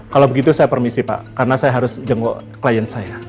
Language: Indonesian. kalau begitu saya permisi pak karena saya harus jenggok klien saya